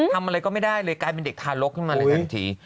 ทำอะไรก็ไม่ได้เลยกลายเป็นเด็กทารกขึ้นมาเลยทันที